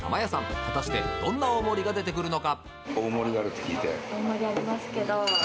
果たしてどんな大盛りが出てくるのか。